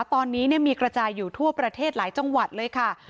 ตอนนี้มีกระจายอยู่ทั่วประเทศหลายจังหวัดเลยค่ะ